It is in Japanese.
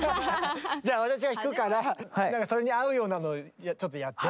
じゃあ私が弾くから何かそれに合うようなのちょっとやって。